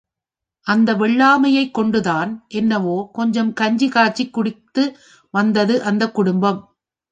அதன் வெள்ளாமை யைக் கொண்டு தான் என்னவோ கொஞ்சம் கஞ்சி காய்ச்சிக் குடித்து வந்தது அந்தக் குடும்பம்.